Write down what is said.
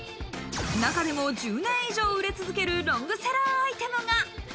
中でも１０年以上売れ続けるロングセラーアイテムが。